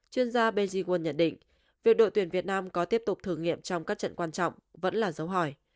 trong các trận quan trọng vẫn là dấu hỏi